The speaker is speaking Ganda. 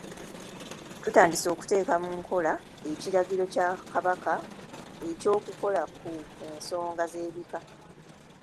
Tutandise okuteeka mu nkola ekiragiro kya Kabaka eky'okukola ku ensonga z'ebika.